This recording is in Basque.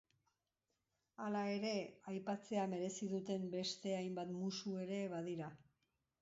Hala ere, aipatzea merezi duten beste hainbat musu ere badira.